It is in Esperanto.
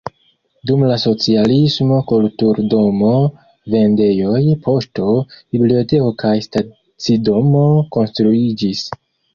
Dum la socialismo kulturdomo, vendejoj, poŝto, biblioteko kaj stacidomo konstruiĝis.